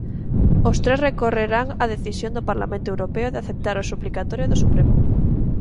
Os tres recorreran a decisión do Parlamento Europeo de aceptar o suplicatorio do Supremo.